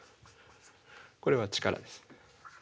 これは力です。